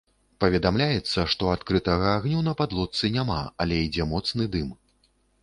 Паведамляецца, што адкрытага агню на падлодцы няма, але ідзе моцны дым.